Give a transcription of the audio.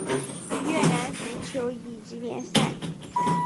越南足球乙级联赛。